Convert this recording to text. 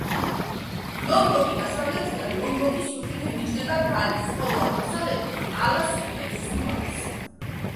ლომბოკი დასავლეთიდან ლომბოკის სრუტით ემიჯნება ბალის, ხოლო აღმოსავლეთით ალას სრუტით სუმბავას.